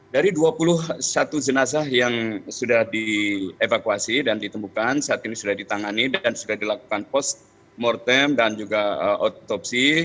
dari dua puluh satu jenazah yang sudah dievakuasi dan ditemukan saat ini sudah ditangani dan sudah dilakukan pos mortem dan juga otopsi